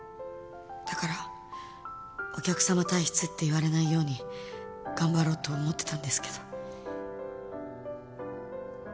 だからお客さま体質って言われないように頑張ろうと思ってたんですけど。